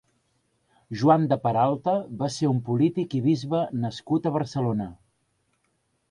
Joan de Peralta va ser un polític i bisbe nascut a Barcelona.